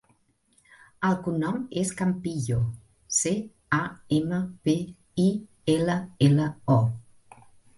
El cognom és Campillo: ce, a, ema, pe, i, ela, ela, o.